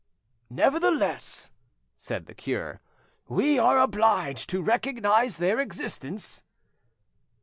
"Nevertheless," said the cure, "we are obliged to recognise their existence."